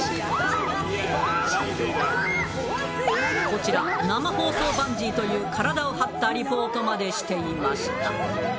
こちら生放送バンジーという体を張ったリポートまでしていました。